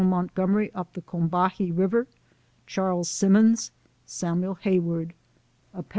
Mont gomery up the Cornbahee River : Charles Simmons, Samuel Hay ward. App'd, R.